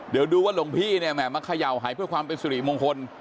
เดี๋ยวดูว่าหลวงพี่เนี่ยแหมมาเขย่าหายเพื่อความเป็นสุริมงคล